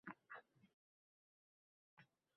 O‘zbekistonlik Bekzodjon Nuriddinov – tengsiz!